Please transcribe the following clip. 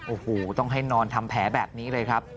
โอ้โหต้องให้นอนทำแผลแบบนี้เลยครับ